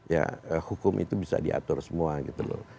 ya hukum itu bisa diatur semua gitu loh